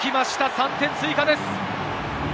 ３点追加です。